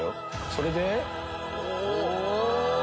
それで。